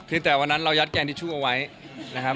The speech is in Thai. คือแต่วันนั้นเรายัดแกงทิชชู่เอาไว้นะครับ